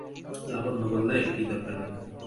লাবণ্য বললে, কী দরকার মিতা।